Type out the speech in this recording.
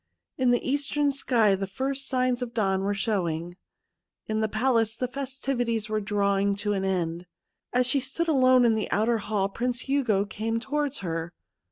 In the eastern sky the first signs of dawn were showing ; in the palace the festivities were drawing to an end. As she stood alone in the outer hall Prince Hugo came towards her.